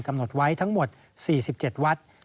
กำหนดไว้ทั้งหมด๔๗วัด